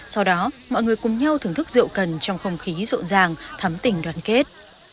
sau đó mọi người cùng nhau thưởng thức rượu cần trong không khí rộn ràng thắm tình đoàn kết